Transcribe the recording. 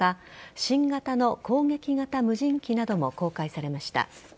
新型の攻撃型無人機なども公開されました。